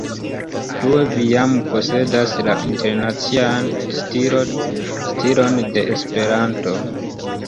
Plue vi jam posedas la internacian stilon de esperanto.